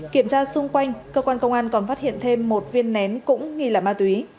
kiểm tra xung quanh cơ quan công an còn phát hiện thêm một viên nén cũng nghi là ma túy